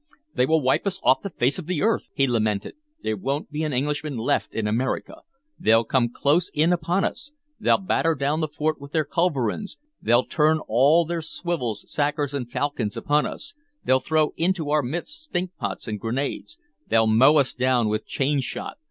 "They will wipe us off the face of the earth!" he lamented. "There won't be an Englishman left in America! they'll come close in upon us! they'll batter down the fort with their culverins; they'll turn all their swivels, sakers, and falcons upon us; they'll throw into our midst stinkpots and grenades; they'll mow us down with chain shot!